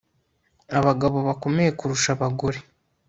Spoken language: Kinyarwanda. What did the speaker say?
Abagabo bakomeye kurusha abagore